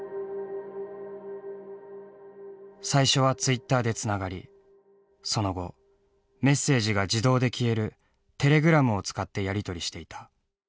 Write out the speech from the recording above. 「最初はツイッターでつながりその後メッセージが自動で消えるテレグラムを使ってやり取りしていた」。